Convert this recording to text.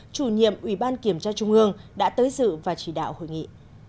chủ nhiệm ủy ban kiểm tra trung ương đã tới dự và chỉ đạo hội nghị